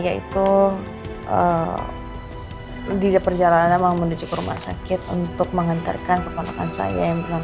yaitu tidak perjalanan mengunduhi ke rumah sakit untuk menghentarkan kekuatan saya yang pernah